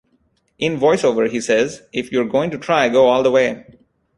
In voiceover he says, If you're going to try, go all the way.